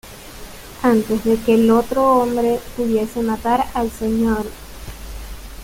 Antes de que el otro hombre pudiese matar al Sr.